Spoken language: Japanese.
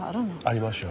ありますよ。